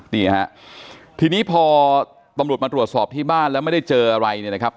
นี่ฮะทีนี้พอตำรวจมาตรวจสอบที่บ้านแล้วไม่ได้เจออะไรเนี่ยนะครับ